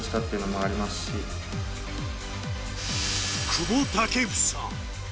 久保建英。